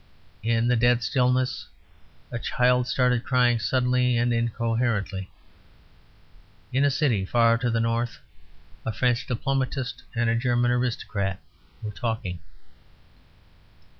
In the dead stillness a child started crying suddenly and incoherently. In a city far to the north a French diplomatist and a German aristocrat were talking.